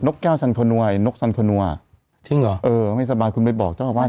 กแก้วสันธนวยนกสันธนัวจริงเหรอเออไม่สบายคุณไปบอกเจ้าอาวาส